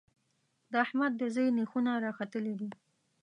د احمد د زوی نېښونه راختلي دي.